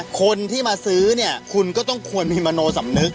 คนที่มาซื้อเนี่ยคุณก็ต้องควรมีมโนสำนึก